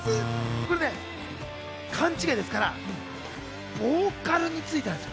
これ勘違いですから、ボーカルについてなんです。